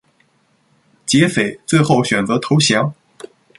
劫匪最后选择投降。